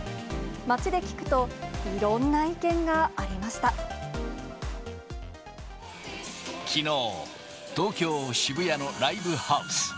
街で聞くと、いろんな意見がありきのう、東京・渋谷のライブハウス。